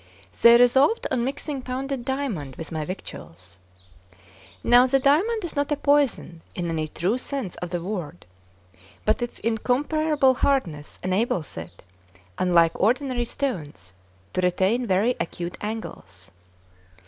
They resolved on mixing pounded diamond with my victuals. Now the diamond is not a poison in any true sense of the word, but its incomparable hardness enables it, unlike ordinary stones, to retain very acute angles.